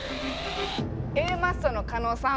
Ａマッソの加納さん。